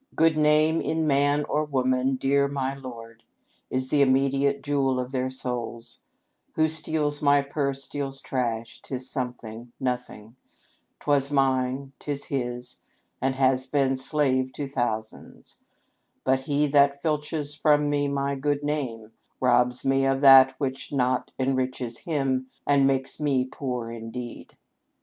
*' Good name in man or woman, dear my lord, Is the immediate jewel of their souls ; Who steals my purse steals trash ; 'tis something, nothing ; 'Twas mine, 'tis his, and has been slave to thousands ; But he that filches from me my good name Robs me of that which not enriches him And makes me poor indeed."